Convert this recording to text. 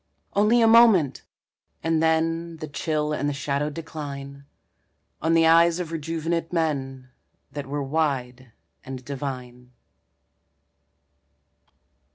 Only a moment! and then The chill and the shadow decline, On the eyes of rejuvenate men That were wide and divine.